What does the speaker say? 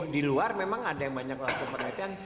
di luar memang ada yang banyak yang melakukan penelitian